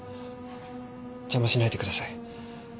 邪魔しないでください。